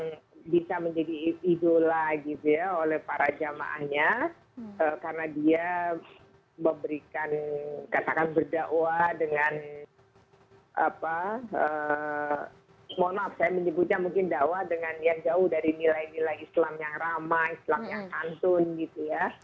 yang bisa menjadi idola gitu ya oleh para jamaahnya karena dia memberikan katakan berdakwah dengan mohon maaf saya menyebutnya mungkin dakwah dengan yang jauh dari nilai nilai islam yang ramai islam yang santun gitu ya